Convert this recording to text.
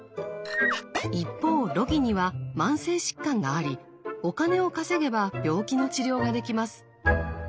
一方ロギニは慢性疾患がありお金を稼げば病気の治療ができます。